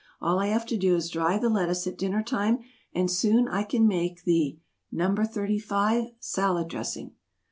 All I have to do is to dry the lettuce at dinner time, and soon I can make the NO. 35. SALAD DRESSING.